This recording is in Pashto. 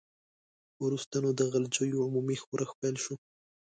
وروسته نو د غلجیو عمومي ښورښ پیل شو.